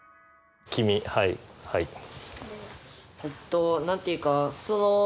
君はいはい。